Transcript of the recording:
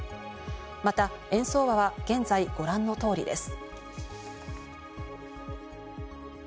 また円相場はご覧の通りです。